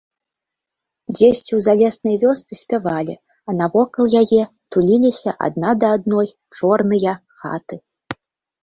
Дзесьці ў залеснай вёсцы спявалі, а навокал яе туліліся адна да адной чорныя хаты.